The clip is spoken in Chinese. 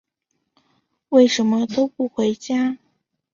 为什么都不回家？